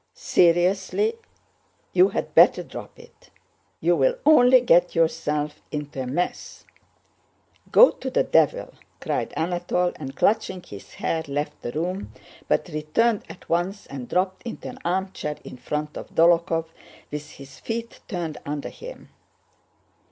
"Seriously, you'd better drop it! You'll only get yourself into a mess!" "Go to the devil!" cried Anatole and, clutching his hair, left the room, but returned at once and dropped into an armchair in front of Dólokhov with his feet turned under him.